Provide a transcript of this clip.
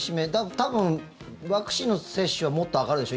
多分、ワクチンの接種はもっと上がるでしょ？